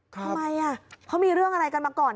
ทำไม